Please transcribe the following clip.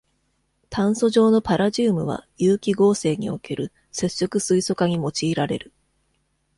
炭素上のパラジウムは有機合成における接触水素化に用いられる。